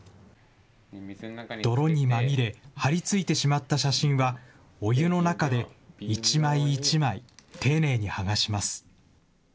泥にまみれ、張り付いてしまった写真は、お湯の中で一枚一枚丁寧に剥がします。